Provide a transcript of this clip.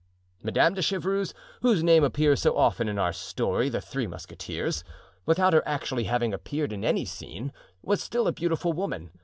Madame de Chevreuse, whose name appears so often in our story "The Three Musketeers," without her actually having appeared in any scene, was still a beautiful woman.